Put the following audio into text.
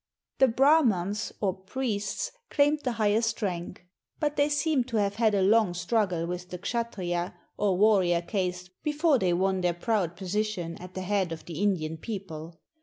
The Brahmans, or priests, claimed the highest rank. But they seem to have had a long struggle with the Kshattriya or warrior caste before they won their proud position at the head of the Indian people.